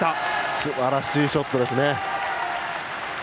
すばらしいショットです。